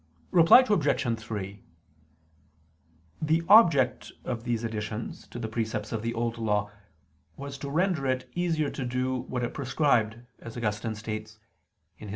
Reply Obj. 3: The object of these additions to the precepts of the Old Law was to render it easier to do what it prescribed, as Augustine states [*De Serm.